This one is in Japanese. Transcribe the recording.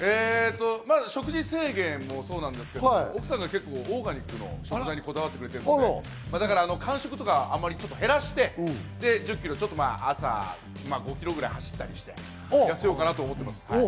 食事制限もそうなんですけれども、奥さんが結構オーガニックの食材にこだわってくれているので、間食とかは減らして１０キロ朝５キロぐらい走ったりして痩せようかなと思ってます。